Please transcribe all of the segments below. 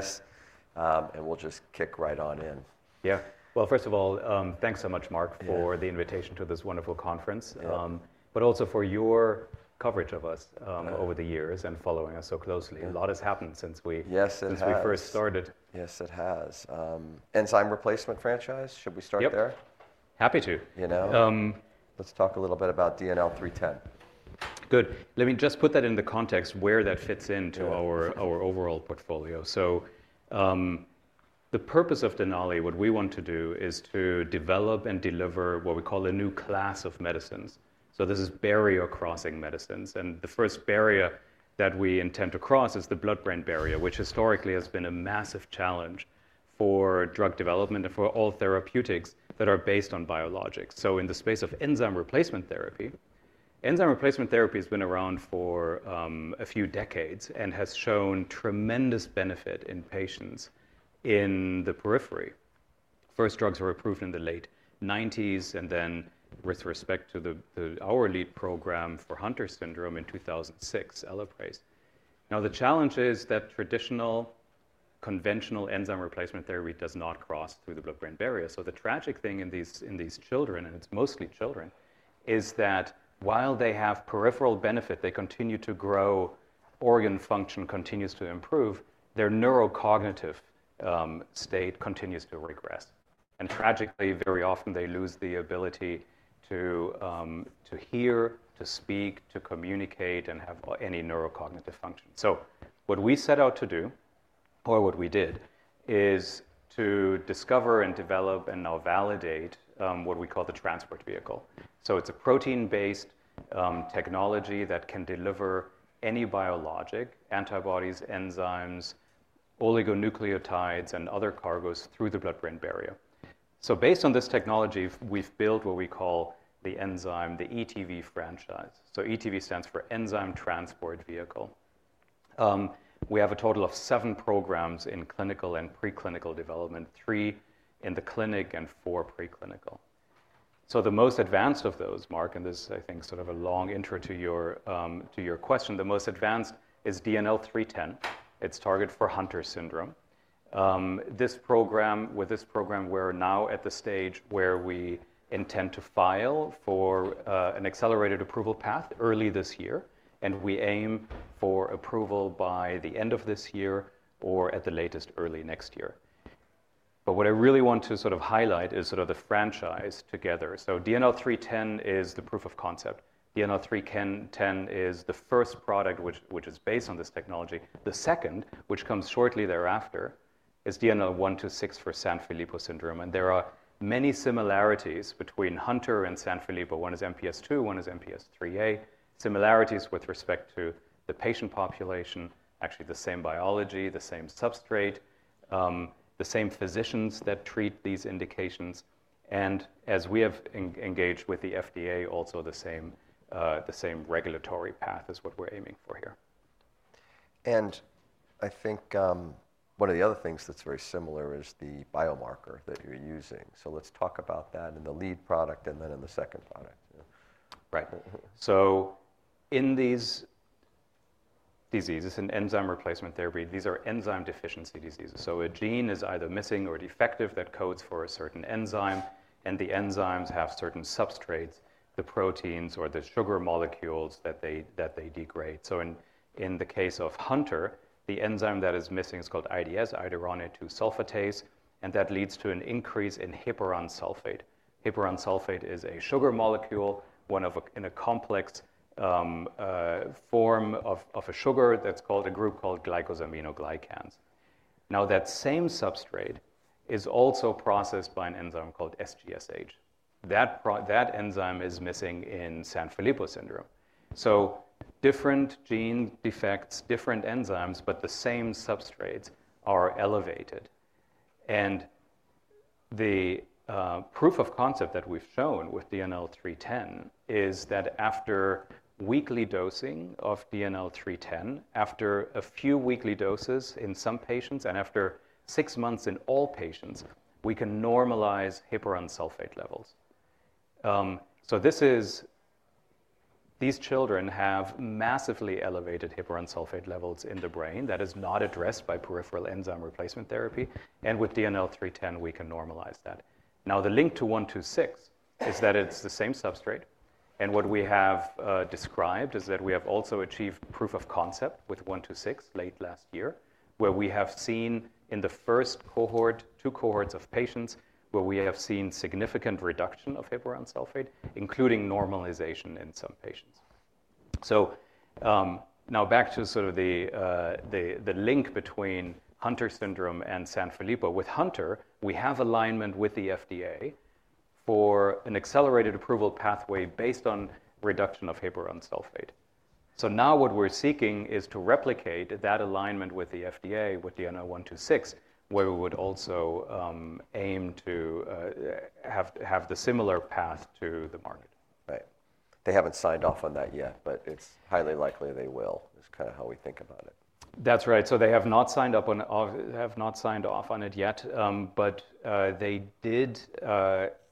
Thank you very much for joining us, and we'll just kick right on in. Yeah. First of all, thanks so much, Mark, for the invitation to this wonderful conference, but also for your coverage of us over the years and following us so closely. A lot has happened since we first started. Yes, it has. Enzyme Replacement Franchise, should we start there? Yeah. Happy to. Let's talk a little bit about DNL310. Good. Let me just put that in the context where that fits into our overall portfolio. The purpose of Denali, what we want to do, is to develop and deliver what we call a new class of medicines. This is barrier-crossing medicines. The first barrier that we intend to cross is the blood-brain barrier, which historically has been a massive challenge for drug development and for all therapeutics that are based on biologics. In the space of enzyme replacement therapy, enzyme replacement therapy has been around for a few decades and has shown tremendous benefit in patients in the periphery. First, drugs were approved in the late 1990s, and then with respect to our lead program for Hunter syndrome in 2006, ELAPRASE. The challenge is that traditional, conventional enzyme replacement therapy does not cross through the blood-brain barrier. The tragic thing in these children, and it's mostly children, is that while they have peripheral benefit, they continue to grow, organ function continues to improve, their neurocognitive state continues to regress. Tragically, very often, they lose the ability to hear, to speak, to communicate, and have any neurocognitive function. What we set out to do, or what we did, is to discover and develop and now validate what we call the transport vehicle. It's a protein-based technology that can deliver any biologic, antibodies, enzymes, oligonucleotides, and other cargoes through the blood-brain barrier. Based on this technology, we've built what we call the enzyme, the ETV franchise. ETV stands for Enzyme Transport Vehicle. We have a total of seven programs in clinical and preclinical development, three in the clinic and four preclinical. The most advanced of those, Mark, and this is, I think, sort of a long intro to your question, the most advanced is DNL310. It's targeted for Hunter syndrome. With this program, we're now at the stage where we intend to file for an accelerated approval path early this year, and we aim for approval by the end of this year or at the latest, early next year. What I really want to sort of highlight is sort of the franchise together. DNL310 is the proof of concept. DNL310 is the first product which is based on this technology. The second, which comes shortly thereafter, is DNL126 for Sanfilippo syndrome. There are many similarities between Hunter and Sanfilippo. One is MPS II, one is MPS IIIA. Similarities with respect to the patient population, actually the same biology, the same substrate, the same physicians that treat these indications. As we have engaged with the FDA, also the same regulatory path is what we're aiming for here. I think one of the other things that's very similar is the biomarker that you're using. Let's talk about that in the lead product and then in the second product. Right. In these diseases in enzyme replacement therapy, these are enzyme deficiency diseases. A gene is either missing or defective that codes for a certain enzyme, and the enzymes have certain substrates, the proteins or the sugar molecules that they degrade. In the case of Hunter, the enzyme that is missing is called IDS, iduronate-2-sulfatase, and that leads to an increase in heparan sulfate. Heparan sulfate is a sugar molecule, one of a complex form of a sugar that's called a group called glycosaminoglycans. That same substrate is also processed by an enzyme called SGSH. That enzyme is missing in Sanfilippo syndrome. Different gene defects, different enzymes, but the same substrates are elevated. The proof of concept that we've shown with DNL310 is that after weekly dosing of DNL310, after a few weekly doses in some patients and after six months in all patients, we can normalize heparan sulfate levels. These children have massively elevated heparan sulfate levels in the brain that is not addressed by peripheral enzyme replacement therapy. With DNL310, we can normalize that. The link to 126 is that it's the same substrate. What we have described is that we have also achieved proof of concept with 126 late last year, where we have seen in the first cohort, two cohorts of patients where we have seen significant reduction of heparan sulfate, including normalization in some patients. Now back to sort of the link between Hunter syndrome and Sanfilippo. With Hunter, we have alignment with the FDA for an accelerated approval pathway based on reduction of heparan sulfate. Now what we're seeking is to replicate that alignment with the FDA with DNL126, where we would also aim to have the similar path to the market. Right. They haven't signed off on that yet, but it's highly likely they will. It's kind of how we think about it. That's right. They have not signed off on it yet, but they did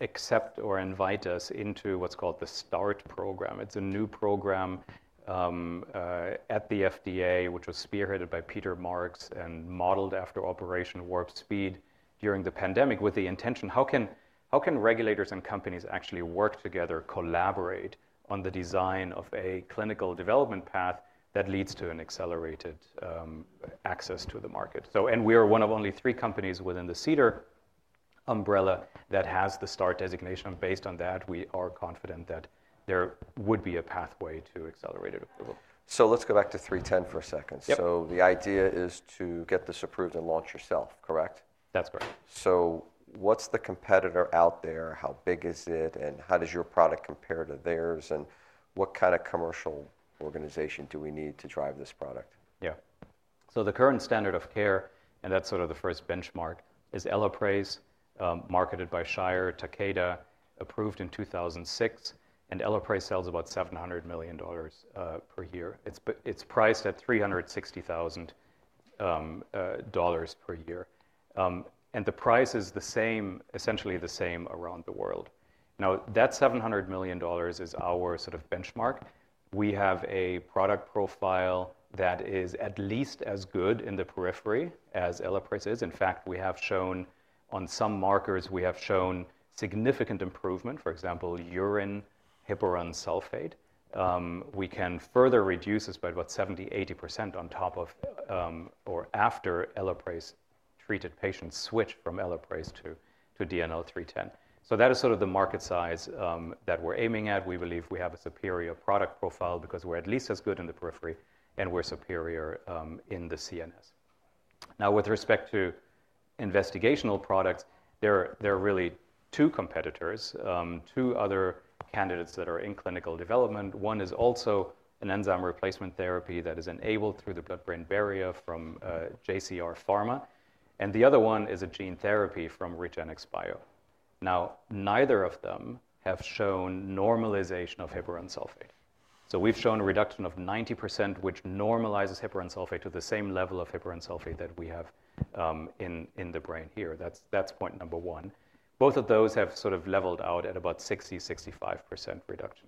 accept or invite us into what's called the START program. It's a new program at the FDA, which was spearheaded by Peter Marks and modeled after Operation Warp Speed during the pandemic with the intention, how can regulators and companies actually work together, collaborate on the design of a clinical development path that leads to an accelerated access to the market? We are one of only three companies within the CDER umbrella that has the START designation. Based on that, we are confident that there would be a pathway to accelerated approval. Let's go back to 310 for a second. The idea is to get this approved and launch yourself, correct? That's correct. What is the competitor out there? How big is it? How does your product compare to theirs? What kind of commercial organization do we need to drive this product? Yeah. The current standard of care, and that's sort of the first benchmark, is ELAPRASE, marketed by Takeda, approved in 2006. ELAPRASE sells about $700 million per year. It's priced at $360,000 per year. The price is essentially the same around the world. Now, that $700 million is our sort of benchmark. We have a product profile that is at least as good in the periphery as ELAPRASE is. In fact, we have shown on some markers, we have shown significant improvement, for example, urine heparan sulfate. We can further reduce this by about 70%-80% on top of or after ELAPRASE treated patients switch from ELAPRASE to DNL310. That is sort of the market size that we're aiming at. We believe we have a superior product profile because we're at least as good in the periphery and we're superior in the CNS. Now, with respect to investigational products, there are really two competitors, two other candidates that are in clinical development. One is also an enzyme replacement therapy that is enabled through the blood-brain barrier from JCR Pharmaceuticals. The other one is a gene therapy from REGENXBIO. Now, neither of them have shown normalization of heparan sulfate. We have shown a reduction of 90%, which normalizes heparan sulfate to the same level of heparan sulfate that we have in the brain here. That's point number one. Both of those have sort of leveled out at about 60%-65% reduction.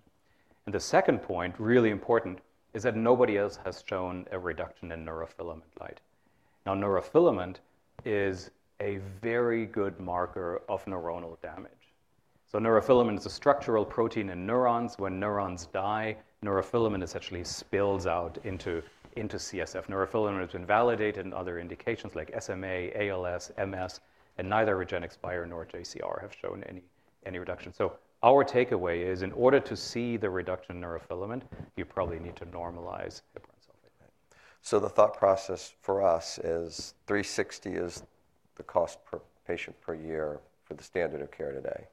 The second point, really important, is that nobody else has shown a reduction in neurofilament light. Now, neurofilament is a very good marker of neuronal damage. Neurofilament is a structural protein in neurons. When neurons die, neurofilament essentially spills out into CSF. Neurofilament has been validated in other indications like SMA, ALS, MS, and neither REGENXBIO nor JCR have shown any reduction. Our takeaway is in order to see the reduction in neurofilament, you probably need to normalize heparan sulfate. The thought process for us is $360,000 is the cost per patient per year for the standard of care today.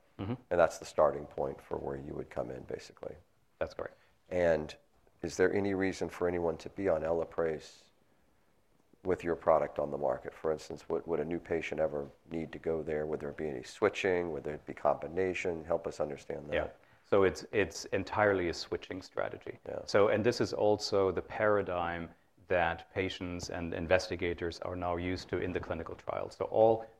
That is the starting point for where you would come in, basically. That's correct. Is there any reason for anyone to be on ELAPRASE with your product on the market? For instance, would a new patient ever need to go there? Would there be any switching? Would there be combination? Help us understand that. Yeah. It is entirely a switching strategy. This is also the paradigm that patients and investigators are now used to in the clinical trials.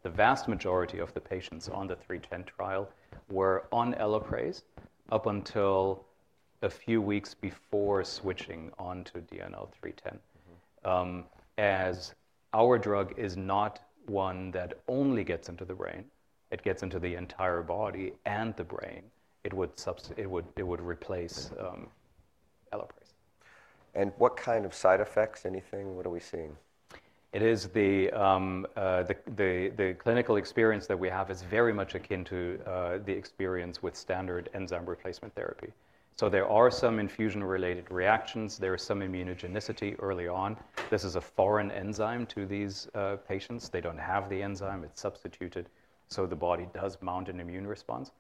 The vast majority of the patients on the 310 trial were on ELAPRASE up until a few weeks before switching onto DNL310. As our drug is not one that only gets into the brain, it gets into the entire body and the brain. It would replace ELAPRASE. What kind of side effects, anything? What are we seeing? The clinical experience that we have is very much akin to the experience with standard enzyme replacement therapy. There are some infusion-related reactions. There is some immunogenicity early on. This is a foreign enzyme to these patients. They don't have the enzyme. It's substituted. The body does mount an immune response.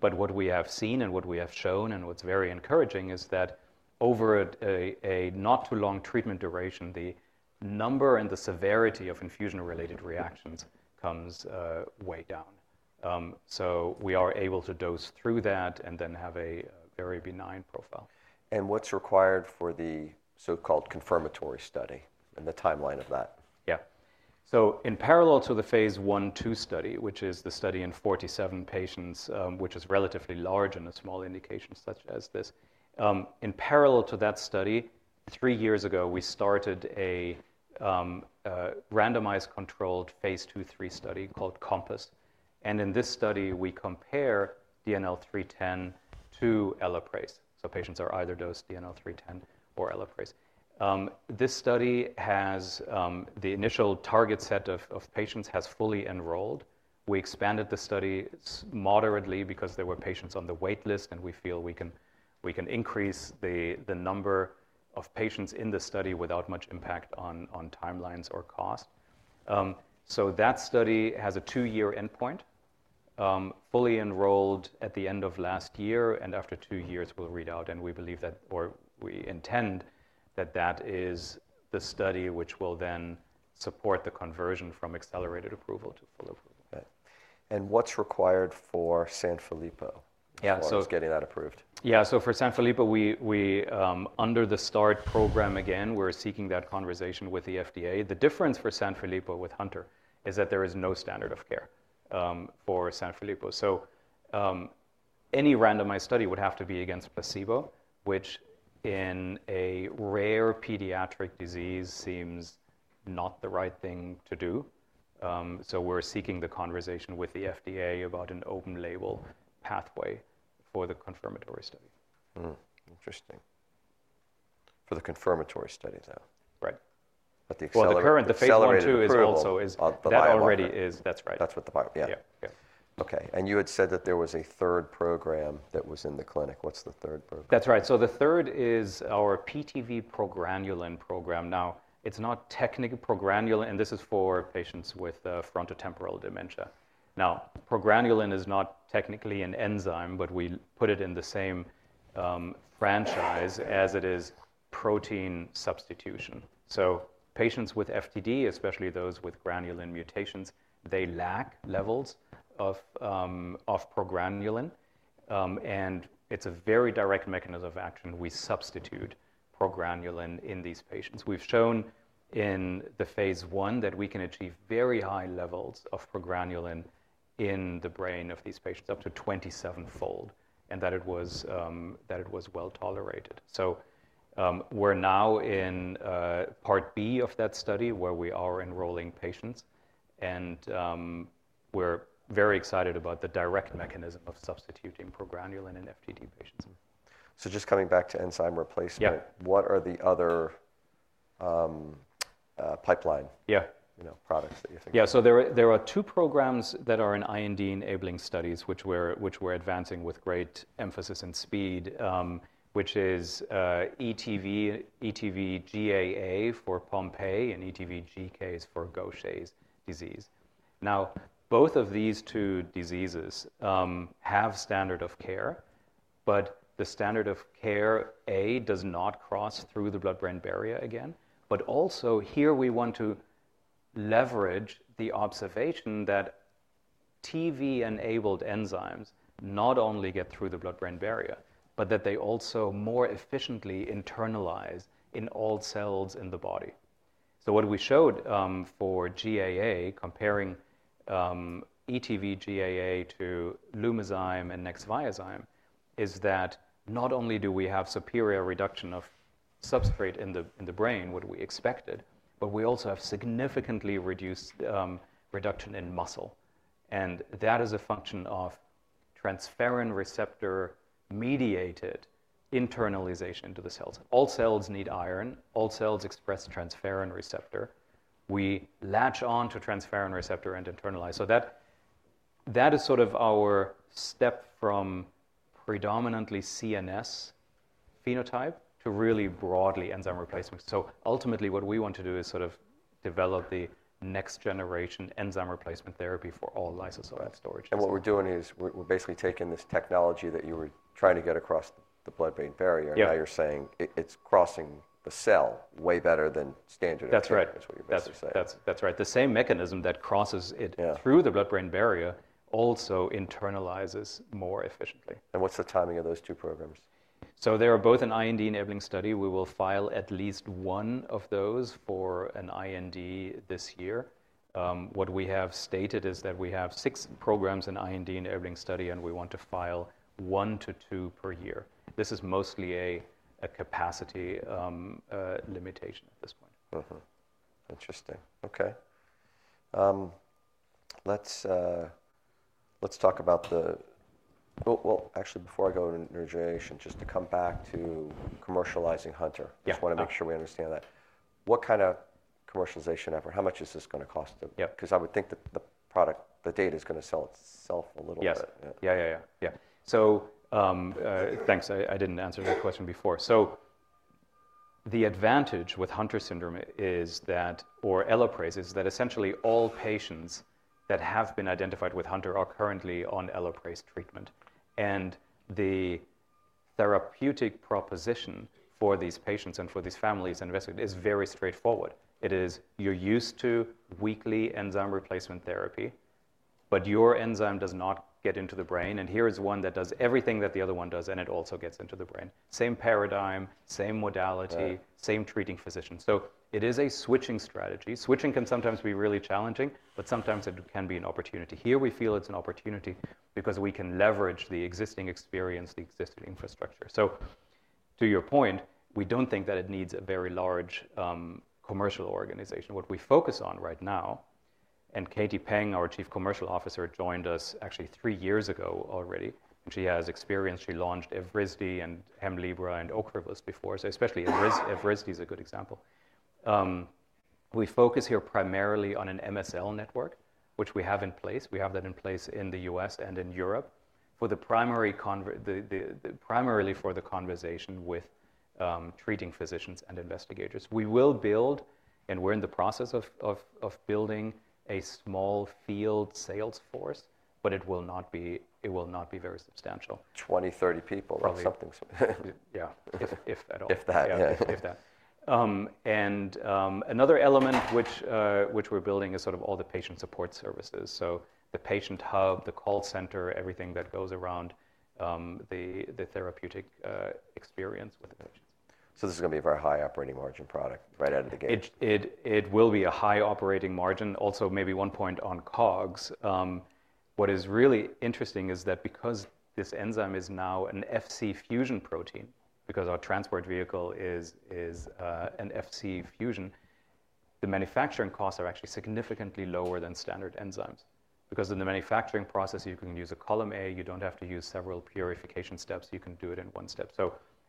What we have seen and what we have shown and what's very encouraging is that over a not-too-long treatment duration, the number and the severity of infusion-related reactions comes way down. We are able to dose through that and then have a very benign profile. What is required for the so-called confirmatory study and the timeline of that? Yeah. In parallel to the Phase 1/2 study, which is the study in 47 patients, which is relatively large in a small indication such as this, in parallel to that study, three years ago, we started a randomized controlled Phase 2/3 study called COMPASS. In this study, we compare DNL310 to ELAPRASE. Patients are either dosed DNL310 or ELAPRASE. This study has the initial target set of patients fully enrolled. We expanded the study moderately because there were patients on the waitlist, and we feel we can increase the number of patients in the study without much impact on timelines or cost. That study has a two-year endpoint, fully enrolled at the end of last year. After two years, we'll read out, and we believe that or we intend that that is the study which will then support the conversion from accelerated approval to full approval. What is required for Sanfilippo? Yeah. Who's getting that approved? Yeah. For Sanfilippo, under the START program, again, we're seeking that conversation with the FDA. The difference for Sanfilippo with Hunter is that there is no standard of care for Sanfilippo. Any randomized study would have to be against placebo, which in a rare pediatric disease seems not the right thing to do. We're seeking the conversation with the FDA about an open label pathway for the confirmatory study. Interesting. For the confirmatory study, though. Right. The accelerated program. The Phase 1/2 is also is that already is that's right. That's what the bio, yeah. Yeah. Okay. You had said that there was a third program that was in the clinic. What's the third program? That's right. The third is our PTV progranulin program. Now, it's not technically progranulin, and this is for patients with frontotemporal dementia. Now, progranulin is not technically an enzyme, but we put it in the same franchise as it is protein substitution. Patients with FTD, especially those with granulin mutations, lack levels of progranulin. It's a very direct mechanism of action. We substitute progranulin in these patients. We've shown in the hase 1 that we can achieve very high levels of progranulin in the brain of these patients, up to 27-fold, and that it was well tolerated. We are now in Part B of that study where we are enrolling patients. We are very excited about the direct mechanism of substituting progranulin in FTD patients. Just coming back to enzyme replacement, what are the other pipeline products that you think? Yeah. There are two programs that are in IND enabling studies, which we're advancing with great emphasis and speed, which is ETV:GAA for Pompe and ETV:GCase for Gaucher's disease. Now, both of these two diseases have standard of care, but the standard of care does not cross through the blood-brain barrier again. Here, we want to leverage the observation that TV-enabled enzymes not only get through the blood-brain barrier, but that they also more efficiently internalize in all cells in the body. What we showed for GAA, comparing ETV:GAA to Lumizyme and Nexviazyme, is that not only do we have superior reduction of substrate in the brain, which we expected, but we also have significantly reduced reduction in muscle. That is a function of transferrin receptor-mediated internalization into the cells. All cells need iron. All cells express transferrin receptor. We latch on to transferrin receptor and internalize. That is sort of our step from predominantly CNS phenotype to really broadly enzyme replacement. Ultimately, what we want to do is sort of develop the next generation enzyme replacement therapy for all lysosomal storage. What we're doing is we're basically taking this technology that you were trying to get across the blood-brain barrier. Now you're saying it's crossing the cell way better than standard of care. That's right. Is what you're basically saying? That's right. The same mechanism that crosses it through the blood-brain barrier also internalizes more efficiently. What is the timing of those two programs? They are both in IND enabling study. We will file at least one of those for an IND this year. What we have stated is that we have six programs in IND enabling study, and we want to file one to two per year. This is mostly a capacity limitation at this point. Interesting. Okay. Let's talk about the, well, actually, before I go into negotiation, just to come back to commercializing Hunter. Yes. I just want to make sure we understand that. What kind of commercialization effort? How much is this going to cost? Because I would think that the product, the data is going to sell itself a little bit. Yeah. Yeah, yeah, yeah. Thanks. I didn't answer that question before. The advantage with Hunter syndrome is that, or ELAPRASE, is that essentially all patients that have been identified with Hunter are currently on ELAPRASE treatment. The therapeutic proposition for these patients and for these families and investigators is very straightforward. It is you're used to weekly enzyme replacement therapy, but your enzyme does not get into the brain. Here is one that does everything that the other one does, and it also gets into the brain. Same paradigm, same modality, same treating physician. It is a switching strategy. Switching can sometimes be really challenging, but sometimes it can be an opportunity. Here, we feel it's an opportunity because we can leverage the existing experience, the existing infrastructure. To your point, we don't think that it needs a very large commercial organization. What we focus on right now, and Katie Peng, our Chief Commercial Officer, joined us actually three years ago already. She has experience. She launched Evrysdi and Hemlibra and Ocrevus before. Especially Evrysdi is a good example. We focus here primarily on an MSL network, which we have in place. We have that in place in the U.S. and in Europe primarily for the conversation with treating physicians and investigators. We will build, and we're in the process of building, a small field sales force, but it will not be very substantial. 20, 30 people or something. Yeah, if that. If that. Yeah, if that. Another element which we're building is sort of all the patient support services. The patient hub, the call center, everything that goes around the therapeutic experience with the patients. This is going to be a very high operating margin product right out of the gate. It will be a high operating margin. Also, maybe one point on COGS. What is really interesting is that because this enzyme is now an Fc fusion protein, because our transport vehicle is an Fc fusion, the manufacturing costs are actually significantly lower than standard enzymes. Because in the manufacturing process, you can use a column A. You do not have to use several purification steps. You can do it in one step.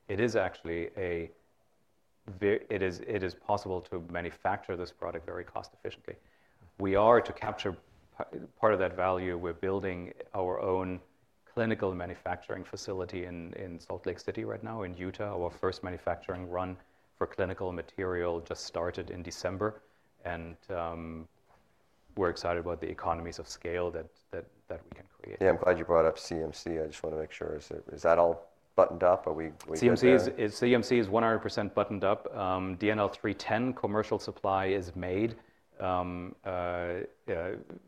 It is actually possible to manufacture this product very cost-efficiently. We are to capture part of that value. We are building our own clinical manufacturing facility in Salt Lake City, Utah right now. Our first manufacturing run for clinical material just started in December. We are excited about the economies of scale that we can create. Yeah, I'm glad you brought up CMC. I just want to make sure. Is that all buttoned up? Are we? CMC is 100% buttoned up. DNL310 commercial supply is made.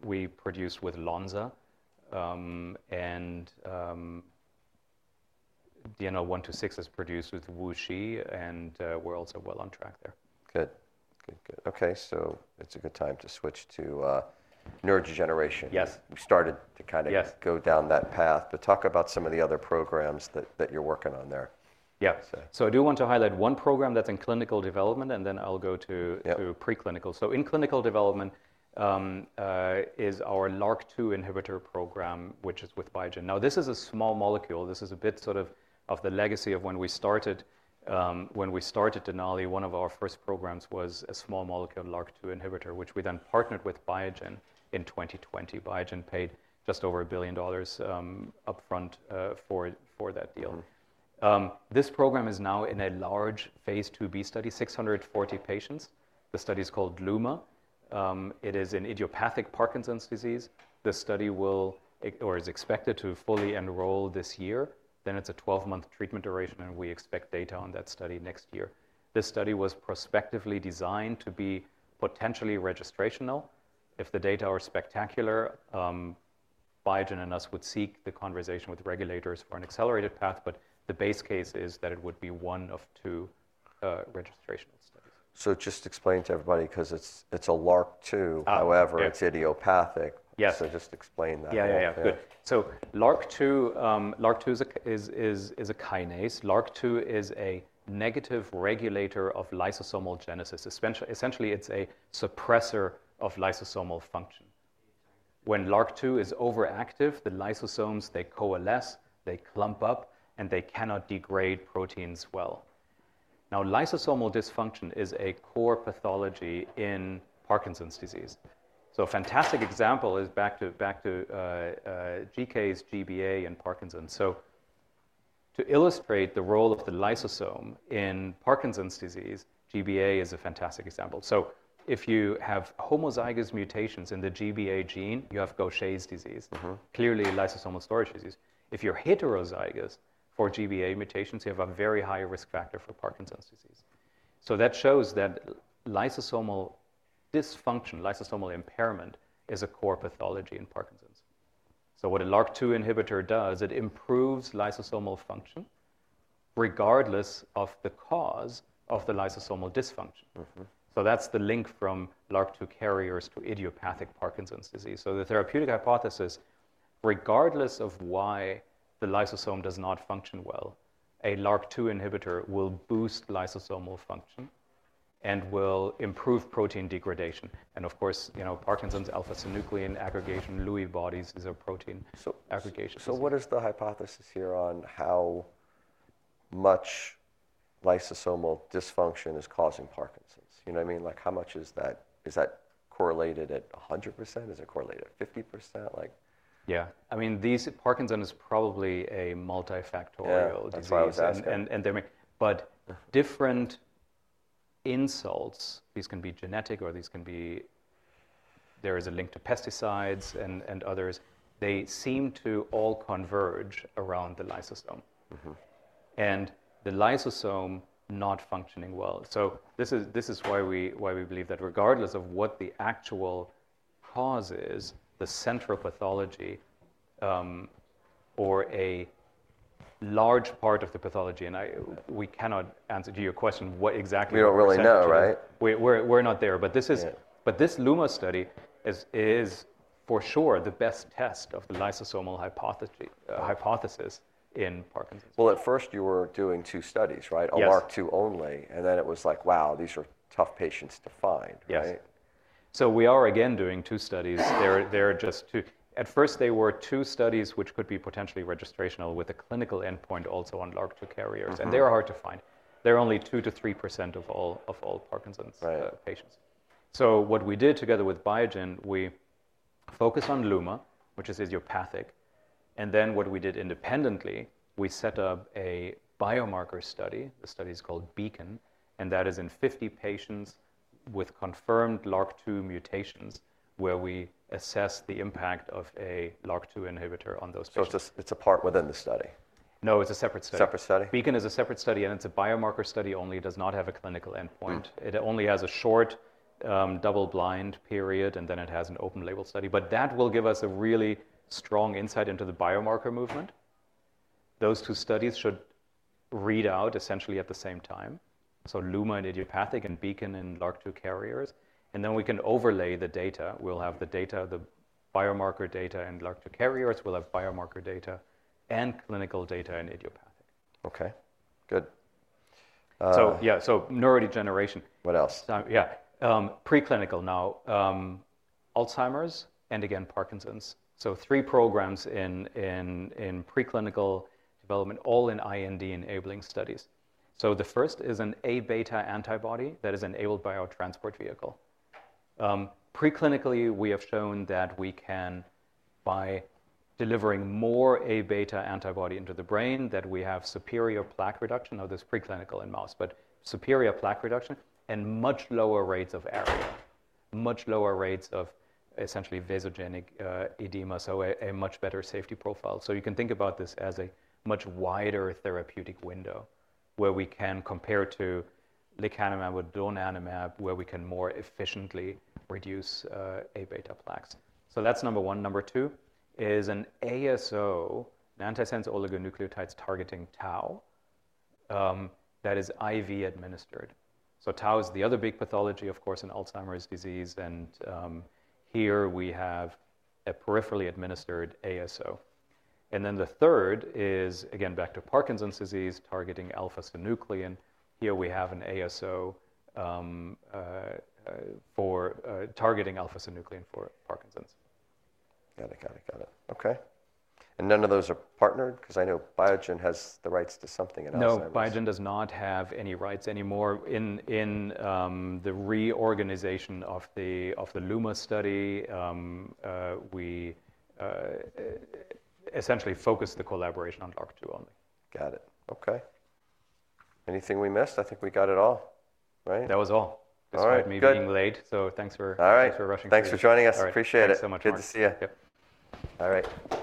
We produce with Lonza. DNL126 is produced with WuXi. We are also well on track there. Good. Good, good. Okay. It is a good time to switch to neurodegeneration. Yes. We started to kind of go down that path. Talk about some of the other programs that you're working on there. Yeah. I do want to highlight one program that's in clinical development, and then I'll go to preclinical. In clinical development is our LRRK2 inhibitor program, which is with Biogen. Now, this is a small molecule. This is a bit sort of the legacy of when we started Denali. One of our first programs was a small molecule LRRK2 inhibitor, which we then partnered with Biogen in 2020. Biogen paid just over $1 billion upfront for that deal. This program is now in a large Phase 2b study, 640 patients. The study is called LUMA. It is in idiopathic Parkinson's disease. The study will or is expected to fully enroll this year. It is a 12-month treatment duration, and we expect data on that study next year. This study was prospectively designed to be potentially registrational. If the data are spectacular, Biogen and us would seek the conversation with regulators for an accelerated path. The base case is that it would be one of two registrational studies. Just explain to everybody, because it's a LRRK2, however, it's idiopathic. Yes. Just explain that. Yeah, yeah, yeah. Good. LRRK2 is a kinase. LRRK2 is a negative regulator of lysosomal genesis. Essentially, it's a suppressor of lysosomal function. When LRRK2 is overactive, the lysosomes, they coalesce, they clump up, and they cannot degrade proteins well. Now, lysosomal dysfunction is a core pathology in Parkinson's disease. A fantastic example is back to GCase, GBA, and Parkinson's. To illustrate the role of the lysosome in Parkinson's disease, GBA is a fantastic example. If you have homozygous mutations in the GBA gene, you have Gaucher's disease, clearly a lysosomal storage disease. If you're heterozygous for GBA mutations, you have a very high risk factor for Parkinson's disease. That shows that lysosomal dysfunction, lysosomal impairment, is a core pathology in Parkinson's. What a LRRK2 inhibitor does, it improves lysosomal function regardless of the cause of the lysosomal dysfunction. That's the link from LRRK2 carriers to idiopathic Parkinson's disease. The therapeutic hypothesis, regardless of why the lysosome does not function well, is that a LRRK2 inhibitor will boost lysosomal function and will improve protein degradation. Of course, Parkinson's alpha-synuclein aggregation, Lewy bodies, is a protein aggregation. What is the hypothesis here on how much lysosomal dysfunction is causing Parkinson's? You know what I mean? Like, how much is that? Is that correlated at 100%? Is it correlated at 50%? Yeah. I mean, Parkinson's is probably a multifactorial disease. That's why I was asking. Different insults, these can be genetic or there is a link to pesticides and others. They seem to all converge around the lysosome, and the lysosome not functioning well. This is why we believe that regardless of what the actual cause is, the central pathology or a large part of the pathology, and we cannot answer to your question what exactly. We do not really know, right? We're not there. This Luma study is for sure the best test of the lysosomal hypothesis in Parkinson's. At first, you were doing two studies, right? Yes. A LRRK2 only. It was like, wow, these are tough patients to find, right? Yes. We are again doing two studies. There are just two. At first, they were two studies which could be potentially registrational with a clinical endpoint also on LRRK2 carriers. They are hard to find. They are only 2%-3% of all Parkinson's patients. What we did together with Biogen, we focused on Luma, which is idiopathic. What we did independently, we set up a biomarker study. The study is called BEACON. That is in 50 patients with confirmed LRRK2 mutations where we assess the impact of a LRRK2 inhibitor on those patients. It's a part within the study? No, it's a separate study. Separate study? BEACON is a separate study, and it's a biomarker study only. It does not have a clinical endpoint. It only has a short double-blind period, and it has an open-label study. That will give us a really strong insight into the biomarker movement. Those two studies should read out essentially at the same time. Luma in idiopathic and BEACON in LRRK2 carriers. We can overlay the data. We'll have the data, the biomarker data in LRRK2 carriers. We'll have biomarker data and clinical data in idiopathic. Okay. Good. Yeah, so neurodegeneration. What else? Yeah. Preclinical now, Alzheimer's and again, Parkinson's. Three programs in preclinical development, all in IND enabling studies. The first is an A-beta antibody that is enabled by our transport vehicle. Preclinically, we have shown that we can, by delivering more A-beta antibody into the brain, have superior plaque reduction. This is preclinical in mouse, but superior plaque reduction and much lower rates of ARIA, much lower rates of essentially vasogenic edema, so a much better safety profile. You can think about this as a much wider therapeutic window where we can compare to lecanemab or donanemab, where we can more efficiently reduce A-beta plaques. That is number one. Number two is an ASO, an antisense oligonucleotide targeting Tau, that is IV administered. Tau is the other big pathology, of course, in Alzheimer's disease. Here we have a peripherally administered ASO. The third is, again, back to Parkinson's disease, targeting alpha-synuclein. Here we have an ASO for targeting alpha-synuclein for Parkinson's. Got it, got it, got it. Okay. None of those are partnered? Because I know Biogen has the rights to something in Alzheimer's. No, Biogen does not have any rights anymore. In the reorganization of the Luma study, we essentially focused the collaboration on LRRK2 only. Got it. Okay. Anything we missed? I think we got it all, right? That was all. All right. Just me being late. Thanks for. All right. Thanks for rushing through. Thanks for joining us. Appreciate it. Thank you so much. Good to see you. Yep. All right.